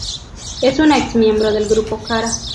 Es una ex miembro del grupo Kara.